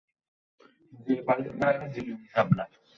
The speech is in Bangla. তাঁদের জন্য রয়েছে গণিতের কঠিন সমস্যা নিয়ে লেখা কয়েক পাতার আয়োজন।